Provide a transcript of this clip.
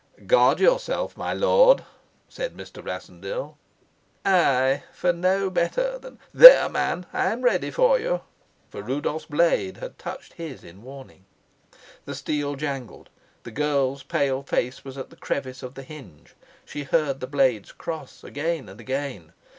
"Guard yourself, my lord," said Mr. Rassendyll. "Ay, for no better than There, man, I'm ready for you." For Rudolf's blade had touched his in warning. The steel jangled. The girl's pale face was at the crevice of the hinge. She heard the blades cross again and again.